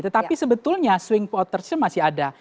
tetapi sebetulnya swing voters nya masih ada